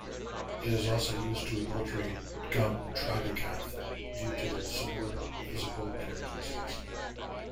It is also used to adulterate Gum tragacanth due to their similar physical characteristics.